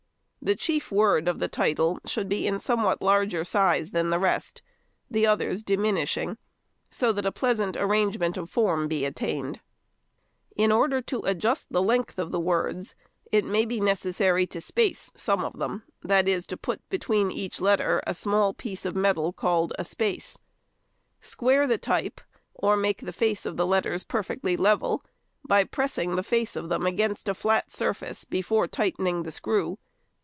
The chief word of the title should be in somewhat larger size than the rest, the others diminishing, so that a pleasant arrangement of form be attained. In order to adjust the length of the words, it may be necessary to space some of them—that is, to put between each letter a small piece of metal called a space. Square the type, or make the face of the letters perfectly level, by pressing the face of them against a flat surface before tightening the screw.